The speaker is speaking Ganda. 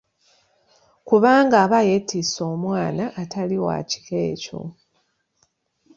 Kubanga aba yeetisse omwana atali wa kika ekyo.